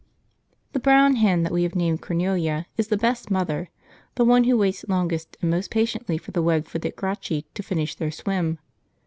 jpg} The brown hen that we have named Cornelia is the best mother, the one who waits longest and most patiently for the web footed Gracchi to finish their swim.